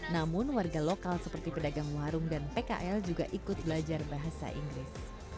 namun warga lokal seperti pedagang warung dan pkl juga ikut belajar bahasa inggris